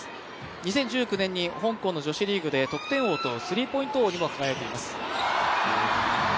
２０１９年に香港の女子リーグで得点王とスリーポイント王に輝いています。